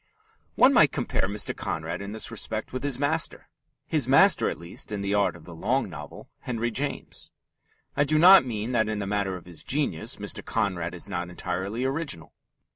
One might compare Mr. Conrad in this respect with his master his master, at least, in the art of the long novel Henry James. I do not mean that in the matter of his genius Mr. Conrad is not entirely original.